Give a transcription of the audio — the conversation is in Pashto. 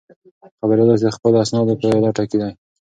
خبریال اوس د خپلو اسنادو په لټه کې دی.